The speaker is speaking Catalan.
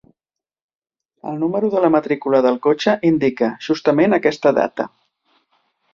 El número de la matrícula del cotxe indica, justament aquesta data.